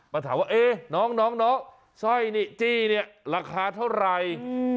มาถามว่าเอ๊ะน้องสร้อยนี่จี้เนี่ยราคาเท่าไหร่